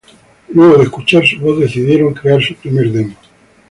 Luego de escuchar su voz decidieron crear su primer demo.